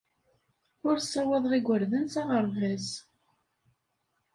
Ur ssawaḍeɣ igerdan s aɣerbaz.